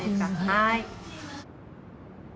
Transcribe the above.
はい。